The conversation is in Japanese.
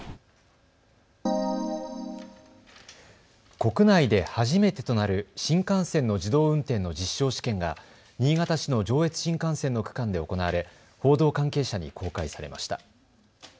国内で初めてとなる新幹線の自動運転の実証試験が新潟市の上越新幹線の区間で行われ報道関係者に公開されました。